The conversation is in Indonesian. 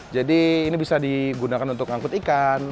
jadi ini bisa digunakan untuk ngangkut ikan